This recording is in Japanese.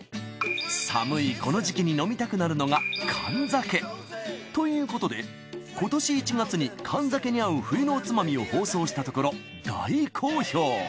寒いこの時期に飲みたくなるのがということで今年１月に燗酒に合う冬のおつまみを放送したところ大好評。